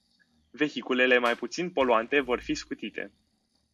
Vehiculele mai puțin poluante vor fi scutite.